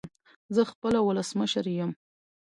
زه خپله ولسمشر يم